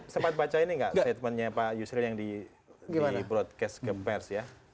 sempat baca ini nggak statementnya pak yusril yang di broadcast ke pers ya